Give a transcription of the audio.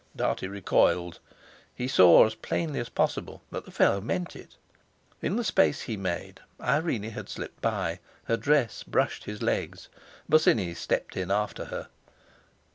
Dartie recoiled; he saw as plainly as possible that the fellow meant it. In the space he made Irene had slipped by, her dress brushed his legs. Bosinney stepped in after her.